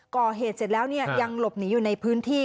ก่อเหตุเสร็จแล้วยังหลบหนีอยู่ในพื้นที่